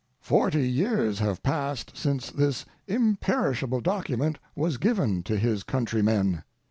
Forty years have passed since this imperishable document was given to his countrymen.